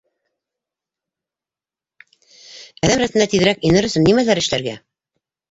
Әҙәм рәтенә тиҙерәк инер өсөн нимәләр эшләргә?